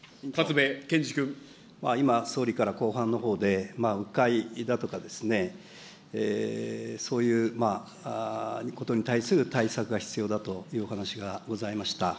今、総理から後半のほうでう回だとかですね、そういうことに対する対策が必要だというお話がございました。